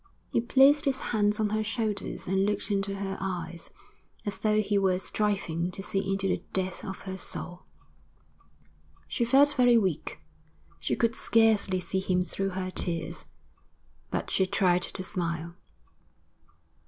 He placed his hands on her shoulders and looked into her eyes, as though he were striving to see into the depths of her soul. She felt very weak. She could scarcely see him through her tears, but she tried to smile.